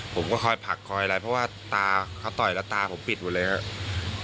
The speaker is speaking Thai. ผมก็คอยผลักคอยอะไรเพราะว่าตาเขาต่อยแล้วตาผมปิดหมดเลยครับ